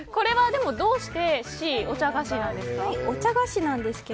でもどうしてＣ、お茶菓子なんですか？